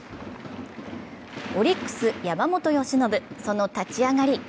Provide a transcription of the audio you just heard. オリックス・山本由伸、その立ち上がり。